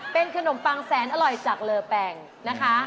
เป็นขนมปังแสนอร่อยจากเลอแปงนะคะ